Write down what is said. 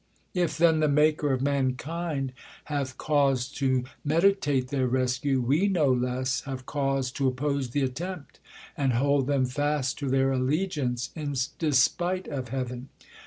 If then the Maker of mankind hath cause To meditate their rescue, we no less Have cause t' oppose th' attempt, and hold them fast To their allegiance in desj jite of Heav'n.